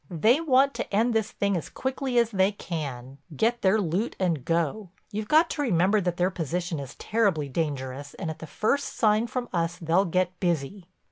They want to end this thing as quickly as they can—get their loot and go. You've got to remember that their position is terribly dangerous and at the first sign from us they'll get busy."